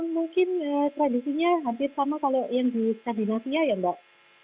mungkin tradisinya hampir sama kalau yang di skandinavia ya mbak